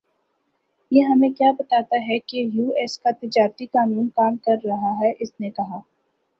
یہ ہمیں کِیا بتاتا ہے کہ یوایس کا تجارتی قانون کام کر رہا ہے اس نے کہا